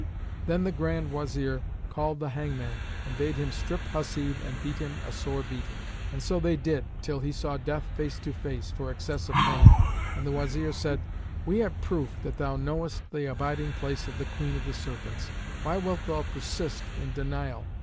Then the Grand Wazir called the hangman and bade him strip Hasib and beat him a sore beating; and so they did till he saw death face to face, for excess of pain, and the Wazir said, "We have proof that thou knowest the abiding place of the Queen of the Serpents: why wilt thou persist in denial?